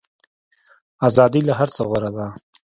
ازادي له هر څه غوره ده.